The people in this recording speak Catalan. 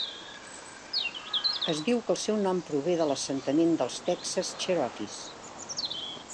Es diu que el seu nom prové de l"assentament dels Texas Cherokees.